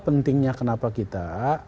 pentingnya kenapa kita